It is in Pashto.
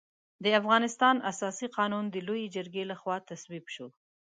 د افغانستان اساسي قانون د لويې جرګې له خوا تصویب شو.